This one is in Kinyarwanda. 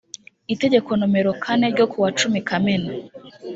itegeko nomero kane ryo kuwa cumi kamena